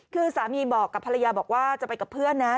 คือสามีบอกกับภรรยาบอกว่าจะไปกับเพื่อนนะ